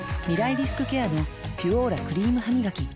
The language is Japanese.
リスクケアの「ピュオーラ」クリームハミガキ